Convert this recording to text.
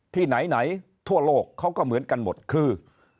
ที่ไหนทั่วโลกเขาก็เหมือนกันหมดคือ